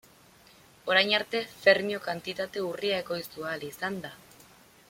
Orain arte fermio-kantitate urria ekoiztu ahal izan da.